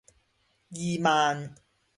二萬